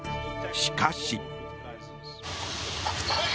しかし。